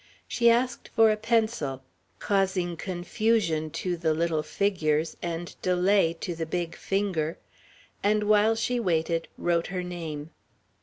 She asked for a pencil causing confusion to the little figures and delay to the big finger and, while she waited, wrote her name.